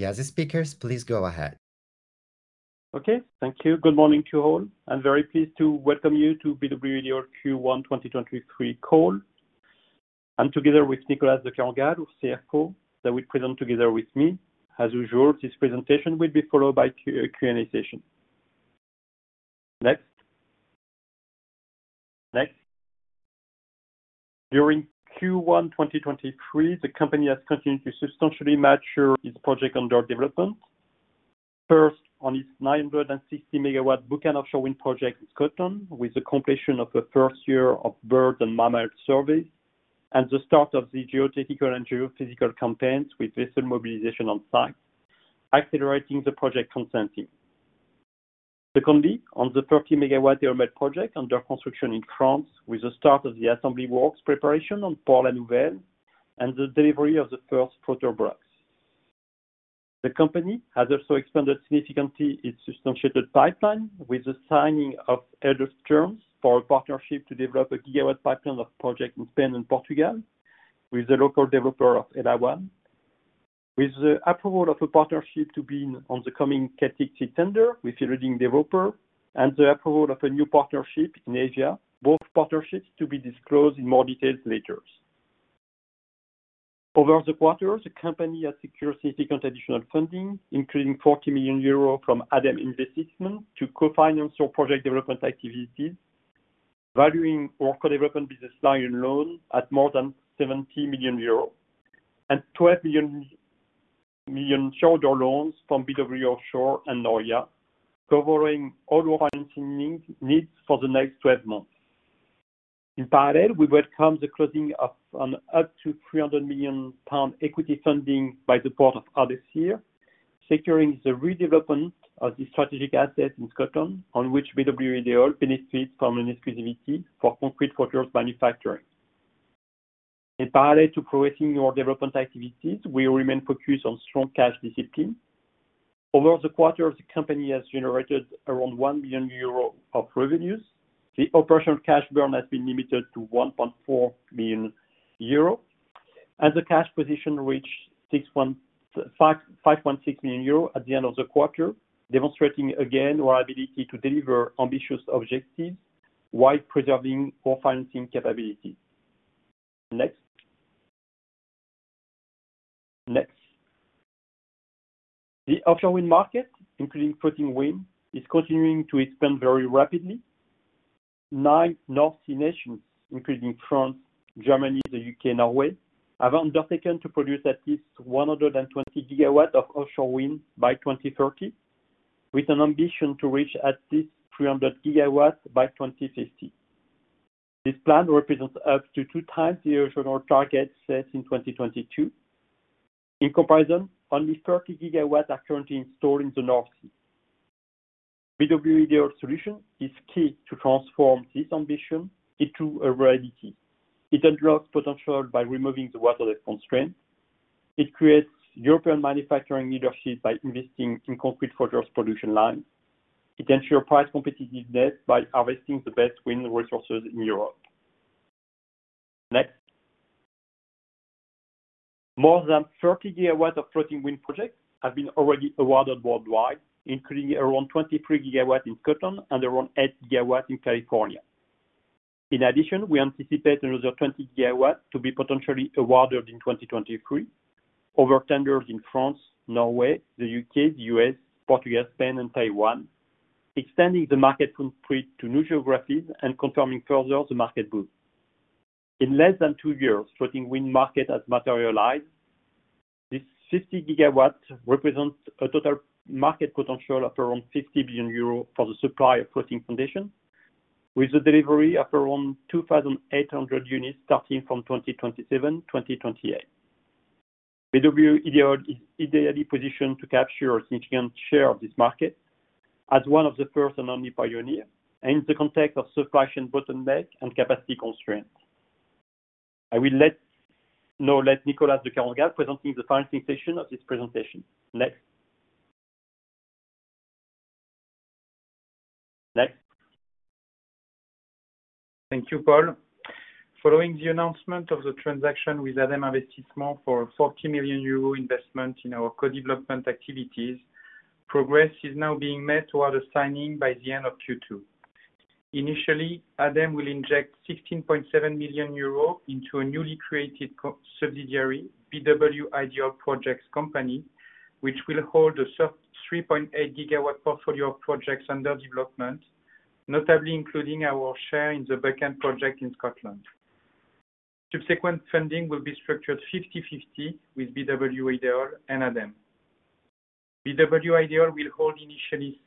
Yes, speakers, please go ahead. Okay. Thank you. Good morning to you all. I'm very pleased to welcome you to BW Ideol Q1 2023 call. I'm together with Nicolas de Kerangal of CFO that will present together with me. As usual, this presentation will be followed by Q&A session. Next. Next. During Q1 2023, the company has continued to substantially mature its project under development. First, on its 960 MW Buchan offshore wind project in Scotland, with the completion of the first year of bird and mammal survey and the start of the geotechnical and geophysical campaigns with vessel mobilization on site, accelerating the project consenting. On the 30 MW EolMed project under construction in France with the start of the assembly works preparation on Port-la-Nouvelle and the delivery of the first proto-braces. The company has also expanded significantly its substantiated pipeline with the signing of head terms for a partnership to develop a gigawatt pipeline of project in Spain and Portugal with the local developer of Elawan, with the approval of a partnership to be on the coming Celtic Sea tender with a leading developer and the approval of a new partnership in Asia, both partnerships to be disclosed in more details later. Over the quarter, the company has secured significant additional funding, including 40 million euros from ADEME Investissement to co-finance our project development activities, valuing our co-development business line loan at more than 70 million euro and 12 million shareholder loans from BW Offshore and Noria, covering all our financing needs for the next 12 months. In parallel, we welcome the closing of an up to 300 million pound equity funding by the Port of Ardersier, securing the redevelopment of the strategic asset in Scotland, on which BW Ideol benefits from an exclusivity for concrete modules manufacturing. In parallel to progressing our development activities, we remain focused on strong cash discipline. Over the quarter, the company has generated around 1 million euro of revenues. The operational cash burn has been limited to 1.4 million euro, and the cash position reached 5.6 million euro at the end of the quarter demonstrating again our ability to deliver ambitious objectives while preserving our financing capability. Next. Next. The offshore wind market, including floating wind, is continuing to expand very rapidly. Nine North Sea nations, including France, Germany, the U.K., Norway, have undertaken to produce at least 120 GW of offshore wind by 2030, with an ambition to reach at least 300 GW by 2050. This plan represents up to two times the original target set in 2022. In comparison only 30 GW are currently installed in the North Sea. BW Ideol solution is key to transform this ambition into a reality. It unlocks potential by removing the water-led constraint. It creates European manufacturing leadership by investing in concrete modules production lines. It ensures price competitiveness by harvesting the best wind resources in Europe. Next. More than 30 GW of floating wind projects have been already awarded worldwide, including around 23 GW in Scotland and around 8 GW in California. In addition, we anticipate another 20 GW to be potentially awarded in 2023. Over tenders in France, Norway, the U.K., the U.S., Portugal, Spain, and Taiwan, extending the market footprint to new geographies and confirming further the market boom. In less than two years, floating wind market has materialized. This 60 GW represents a total market potential of around 50 billion euros for the supply of floating foundation, with the delivery of around 2,800 units starting from 2027, 2028. BW Ideol is ideally positioned to capture a significant share of this market as one of the first and only pioneer in the context of supply chain bottleneck and capacity constraints. I will now let Nicolas de Kerangal presenting the financing session of this presentation. Next. Next. Thank you, Paul. Following the announcement of the transaction with ADEME Investissement for a 40 million euro investment in our co-development activities, progress is now being made toward a signing by the end of Q2. Initially, ADEME will inject 16.7 million euros into a newly created subsidiary, BW Ideol Projects Company, which will hold a sub-3.8 GW portfolio of projects under development, notably including our share in the Buchan project in Scotland. Subsequent funding will be structured 50/50 with BW Ideol and ADEME. BW Ideol will hold initially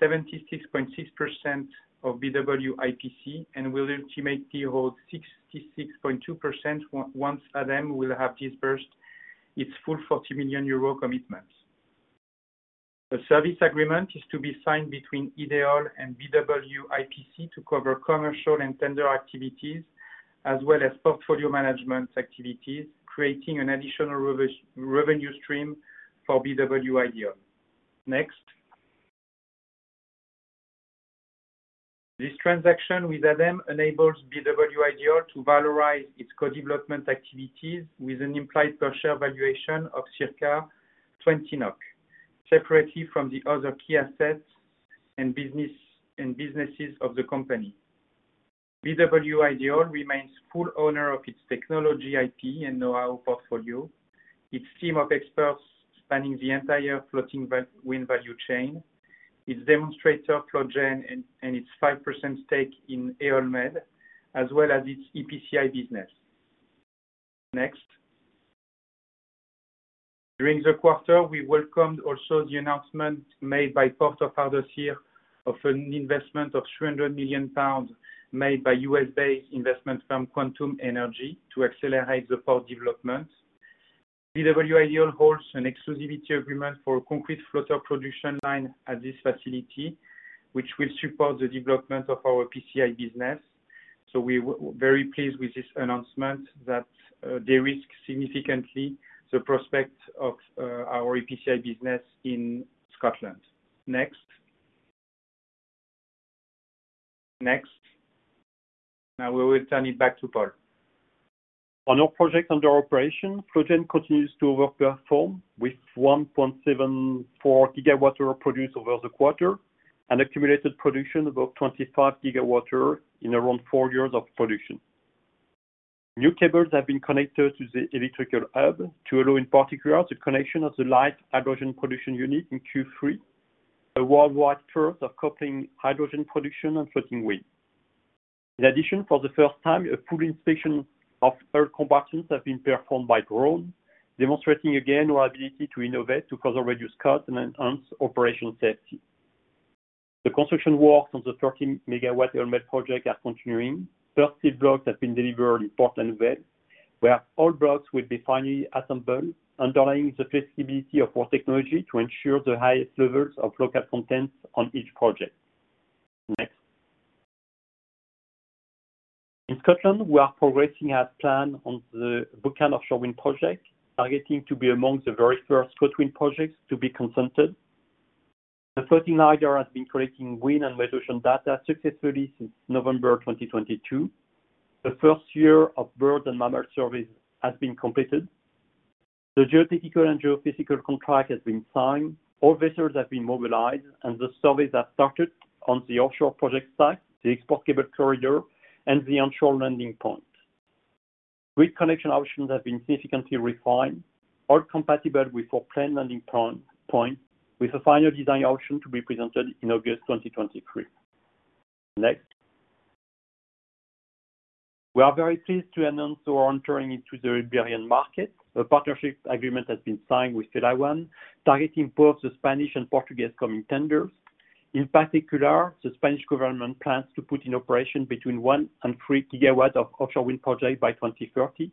76.6% of BW IPC and will ultimately hold 66.2% once ADEME will have disbursed its full 40 million euro commitment. A service agreement is to be signed between BW Ideol and BW IPC to cover commercial and tender activities as well as portfolio management activities, creating an additional revenue stream for BW Ideol. This transaction with ADEME Investissement enables BW Ideol to valorize its co-development activities with an implied per share valuation of circa 20 NOK, separately from the other key assets and businesses of the company. BW Ideol remains full owner of its technology IP and knowhow portfolio, its team of experts spanning the entire floating wind value chain, its demonstrator FloatGen and its 5% stake in EolMed, as well as its EPCI business. During the quarter, we welcomed also the announcement made by Port of Ardersier of an investment of 300 million pounds made by U.S. based investment firm Quantum Energy to accelerate the port development. BW Ideol holds an exclusivity agreement for concrete floater production line at this facility, which will support the development of our EPCI business. We very pleased with this announcement that de-risk significantly the prospect of our EPCI business in Scotland. Next. We will turn it back to Paul. On our project under operation, FloatGen continues to overperform with 1.74 GWh produced over the quarter, an accumulated production above 25 GWh in around 4 years of production. New cables have been connected to the electrical hub to allow, in particular, the connection of the light hydrogen production unit in Q3, a worldwide first of coupling hydrogen production and floating wind. In addition, for the first time, a full inspection of air combustions have been performed by drone, demonstrating again our ability to innovate to further reduce cost and enhance operational safety. The construction works on the 13 MW EolMed project are continuing. 30 blocks have been delivered in Port-la-Nouvelle, where all blocks will be finally assembled, underlying the flexibility of our technology to ensure the highest levels of local content on each project. Next. In Scotland, we are progressing as planned on the Buchan offshore wind project, targeting to be among the very first ScotWind projects to be consented. The floating radar has been collecting wind and weather ocean data successfully since November 2022. The first year of bird and mammal surveys has been completed. The geotechnical and geophysical contract has been signed. All vessels have been mobilized and the surveys have started on the offshore project site, the export cable corridor, and the onshore landing point. Grid connection options have been significantly refined, all compatible with our planned landing point, with a final design option to be presented in August 2023. Next. We are very pleased to announce we are entering into the Iberian market. A partnership agreement has been signed with Elawan, targeting both the Spanish and Portuguese coming tenders. In particular, the Spanish government plans to put in operation between 1 and 3 GW of offshore wind projects by 2030,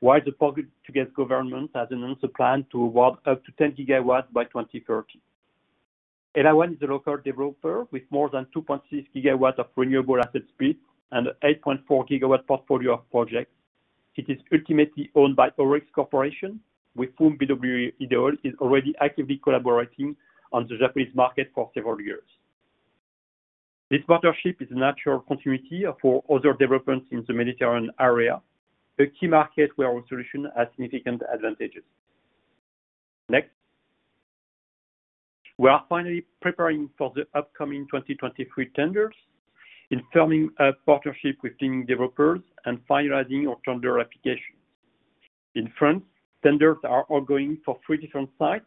while the Portuguese government has announced a plan to award up to 10 GW by 2030. Elawan is a local developer with more than 2.6 GW of renewable assets bid and 8.4 gigawatt portfolio of projects. It is ultimately owned by ORIX Corporation, with whom BW Ideol is already actively collaborating on the Japanese market for several years. This partnership is a natural continuity for other developments in the Mediterranean area, a key market where our solution has significant advantages. Next. We are finally preparing for the upcoming 2023 tenders in firming a partnership with leading developers and finalizing our tender application. In France, tenders are ongoing for three different sites,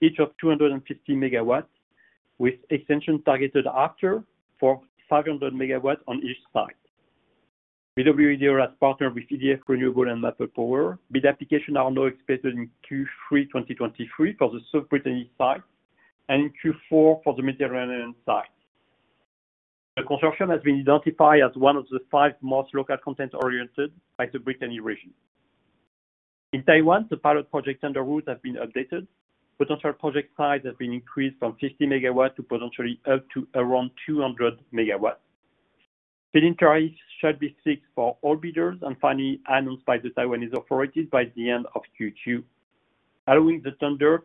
each of 250 MW, with extension targeted after for 500 MW on each site. BW Ideol has partnered with EDF Renewables and Maple Power. Bid application are now expected in Q3 2023 for the South Brittany site and in Q4 for the Mediterranean site. The construction has been identified as one of the five most local content-oriented by the Brittany region. In Taiwan, the pilot project tender route has been updated. Potential project size has been increased from 50 MW to potentially up to around 200 MW. Bidding terms shall be seeked for all bidders and finally announced by the Taiwanese authorities by the end of Q2, allowing the tender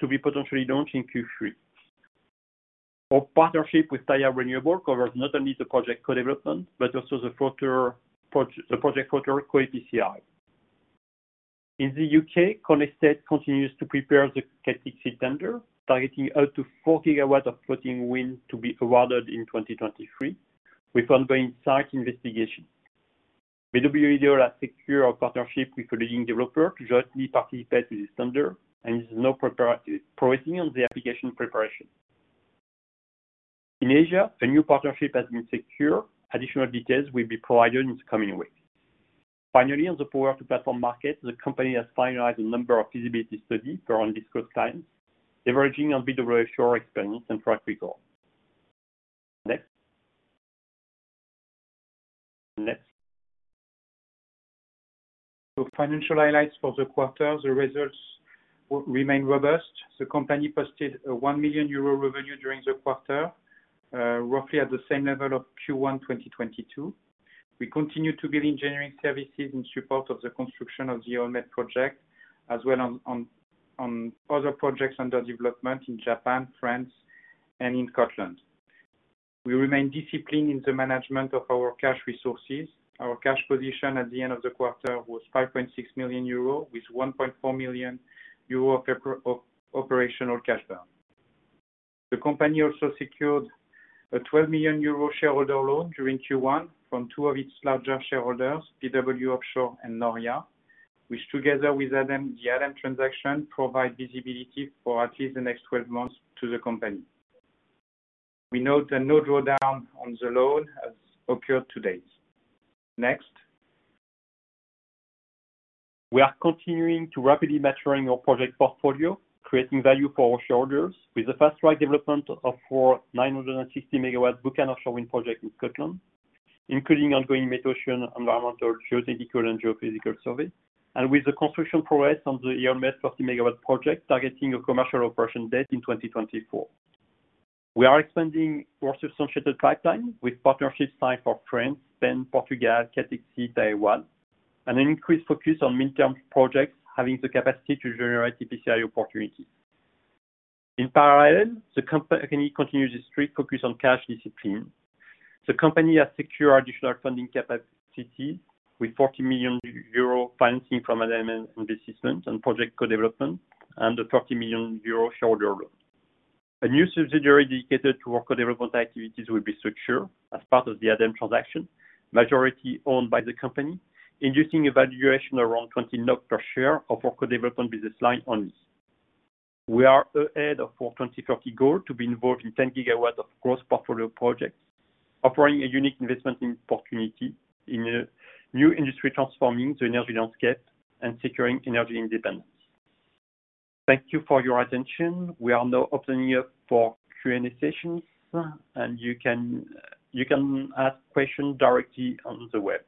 to be potentially launched in Q3. Our partnership with Taiya Renewable Energy covers not only the project co-development but also the project floater co-EPCI. In the U.K, Crown Estate continues to prepare the Celtic Sea tender, targeting up to 4 GW of floating wind to be awarded in 2023 with ongoing site investigation. BW Ideol has secured a partnership with a leading developer to jointly participate in this tender, and is now proceeding on the application preparation. In Asia, a new partnership has been secured. Additional details will be provided in the coming weeks. Finally, on the power to platform market, the company has finalized a number of feasibility studies for undisclosed clients, leveraging on BW Offshore experience and track record. Next. Financial highlights for the quarter, the results remain robust. The company posted a 1 million euro revenue during the quarter, roughly at the same level of Q1 2022. We continue to build engineering services in support of the construction of the EolMed project, as well as on other projects under development in Japan, France, and in Scotland. We remain disciplined in the management of our cash resources. Our cash position at the end of the quarter was 5.6 million euro, with 1.4 million euro of operational cash burn. The company also secured a 12 million euro shareholder loan during Q1 from two of its larger shareholders, BW Offshore and Noria, which together with ADEME, the ADEME transaction, provide visibility for at least the next 12 months to the company. We note that no drawdown on the loan has occurred to date. Next. We are continuing to rapidly maturing our project portfolio, creating value for our shareholders with the fast-track development of our 960 MW Buchan offshore wind project in Scotland, including ongoing metocean environmental, geotechnical, and geophysical surveys, and with the construction progress on the EolMed 30 MW project, targeting a commercial operation date in 2024. We are expanding our associated pipeline with partnership sites for France, Spain, Portugal, Celtic Sea, Taiwan, and an increased focus on mid-term projects having the capacity to generate EPCI opportunity. In parallel, the company continues its strict focus on cash discipline. The company has secured additional funding capacity with 40 million euro financing from ADEME Investissement and project co-development and a 30 million euro shareholder loan. A new subsidiary dedicated to our co-development activities will be structured as part of the ADEME transaction, majority owned by the company, inducing a valuation around 20 NAV per share of our co-development business line only. We are ahead of our 2030 goal to be involved in 10 GW of gross portfolio projects, offering a unique investment opportunity in a new industry transforming the energy landscape and securing energy independence. Thank you for your attention. We are now opening up for Q&A sessions, you can ask questions directly on the web.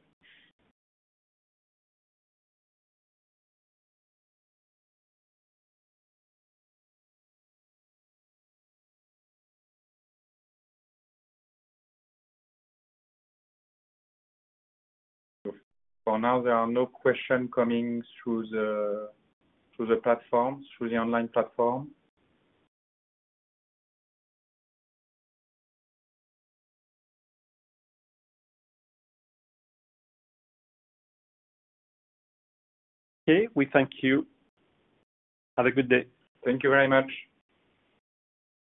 For now, there are no questions coming through the platform, through the online platform. We thank you. Have a good day. Thank you very much.